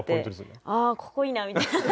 こうやってああここいいなみたいな。